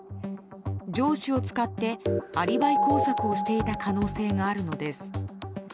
上司を使ってアリバイ工作をしていた可能性があるのです。